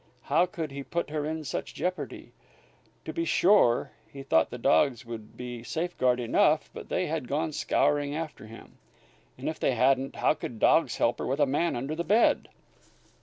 How could he put her in such jeopardy? To be sure, he thought the dogs would be safeguard enough, but they had gone scouring after him. And if they hadn't, how could dogs help her with a man under the bed?